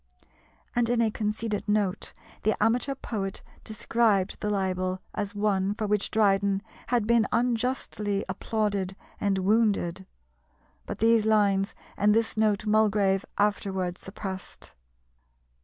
And, in a conceited note, the amateur poet described the libel as one for which Dryden had been unjustly "applauded and wounded." But these lines and this note Mulgrave afterwards suppressed.